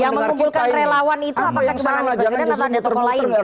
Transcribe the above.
yang mengumpulkan relawan itu apakah cuma anies baswedan atau ada tokoh lain